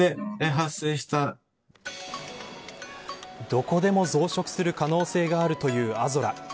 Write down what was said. どこでも増殖する可能性があるというアゾラ。